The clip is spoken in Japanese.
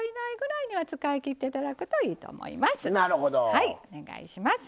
はいお願いします。